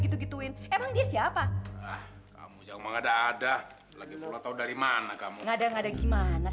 gitu gituin emang dia siapa kamu jangan ada ada lagi pulang tahu dari mana kamu ada ada gimana